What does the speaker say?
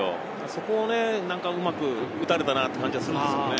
そこを何かうまく打たれたなって感じがするんですよね。